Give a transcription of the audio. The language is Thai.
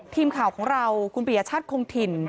ทีมข่าวของเราคุณปียชาติคงถิ่น